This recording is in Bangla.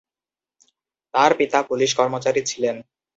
তার পিতা পুলিশ কর্মচারী ছিলেন।